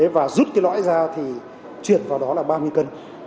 và rút cái lõi ra thì chuyển vào đó là ba mươi cân